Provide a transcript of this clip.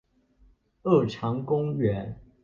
二常公園